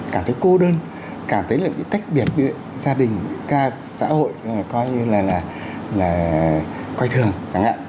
cảm thấy cô đơn cảm thấy bị tách biệt gia đình xã hội coi như là coi thường chẳng hạn